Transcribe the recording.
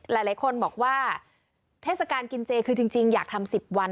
หลายคนบอกว่าเทศกาลกินเจคือจริงอยากทำ๑๐วัน